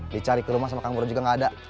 dicari ke rumah sama kang nur juga gak ada